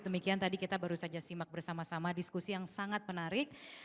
demikian tadi kita baru saja simak bersama sama diskusi yang sangat menarik